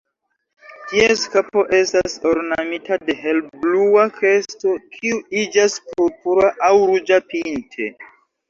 Ties kapo estas ornamita de helblua kresto, kiu iĝas purpura aŭ ruĝa pinte.